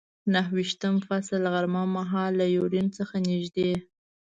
نهه ویشتم فصل، غرمه مهال له یوډین څخه نږدې.